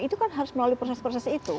itu kan harus melalui proses proses itu